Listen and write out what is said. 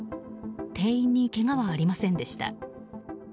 店員にけがはありませんでした。